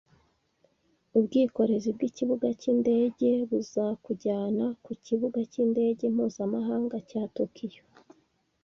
Ubwikorezi bwikibuga cyindege buzakujyana ku Kibuga cy’indege mpuzamahanga cya Tokiyo